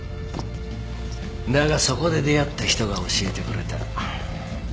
だがそこで出会った人が教えてくれた。